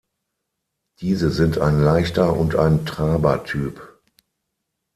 Diese sind ein leichter und ein Traber-Typ.